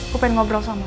kok pengen ngobrol sama lu